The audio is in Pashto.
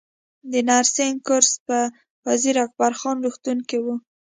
د نرسنګ کورس په وزیر اکبر خان روغتون کې و